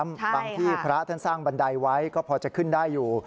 บางที่พระท่านสร้างบันไดไว้ก็พอจะขึ้นได้อยู่